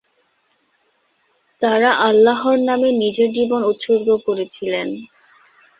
তারা আল্লাহর নামে নিজের জীবন উৎসর্গ করেছিলেন।